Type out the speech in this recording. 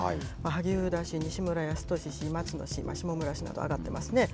萩生田氏、西村康稔氏、松野氏、下村氏などが挙がってますね。